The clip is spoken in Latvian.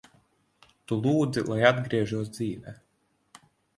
Tu lūdzi, lai atgriežos dzīvē.